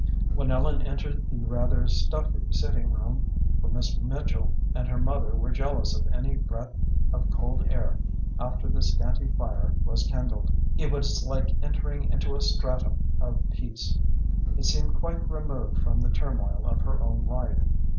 When Ellen entered the rather stuffy sitting room for Miss Mitchell and her mother were jealous of any breath of cold air after the scanty fire was kindled it was like entering into a stratum of peace. It seemed quite removed from the turmoil of her own life.